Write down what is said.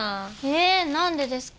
え何でですか？